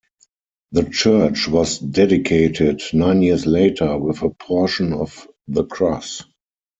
The church was dedicated nine years later, with a portion of the cross.